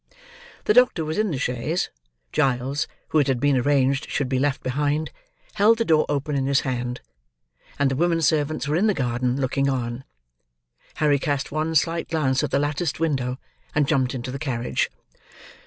The doctor was in the chaise; Giles (who, it had been arranged, should be left behind) held the door open in his hand; and the women servants were in the garden, looking on. Harry cast one slight glance at the latticed window, and jumped into the carriage.